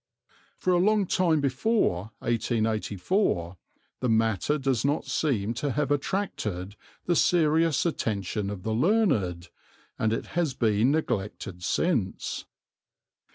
For a long time before 1884 the matter does not seem to have attracted the serious attention of the learned, and it has been neglected since.